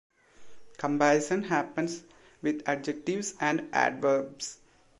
Comparison happens with adjectives and adverbs.